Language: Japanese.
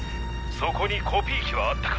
そこにコピー機はあったか？